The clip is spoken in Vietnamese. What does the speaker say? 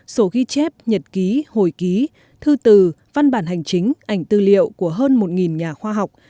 sổ ghi chép nhật ký hồi ký thư từ văn bản hành chính ảnh tư liệu của hơn một nhà khoa học